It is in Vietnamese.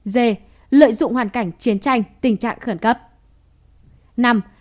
d lợi dụng hoàn cảnh chiến tranh tình trạng khẩn cấp